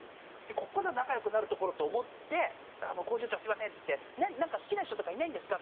ここだ仲良くなるところと思って「工場長すみません」っつって「なんか好きな人とかいないんですか？」